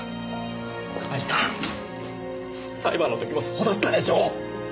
裁判の時もそうだったでしょ？